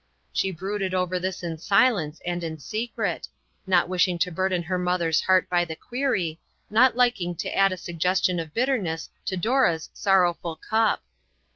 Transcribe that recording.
" She brooded over this in silence and in secret not wishing to burden her mother's heart by the query, not liking to add a sugges 3<D INTERRUPTED. tion of bitterness to Dora's sorrowful cup.